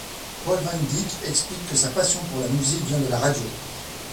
Paul van Dyk explique que sa passion pour la musique vient de la radio.